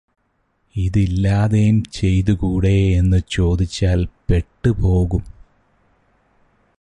ഇതില്ലാതെയും ചെയ്തുകൂടേ എന്ന് ചോദിച്ചാൽ പെട്ടുപോകും.